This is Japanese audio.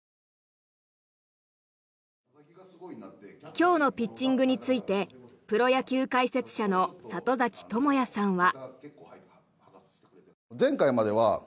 今日のピッチングについてプロ野球解説者の里崎智也さんは。